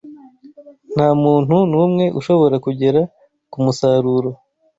Nta muntu n’umwe ushobora kugera ku musaruro